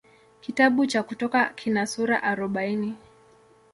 Kitabu cha Kutoka kina sura arobaini.